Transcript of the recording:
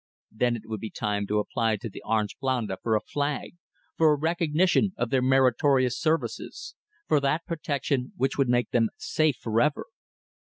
Then it would be time to apply to the Orang Blanda for a flag; for a recognition of their meritorious services; for that protection which would make them safe for ever!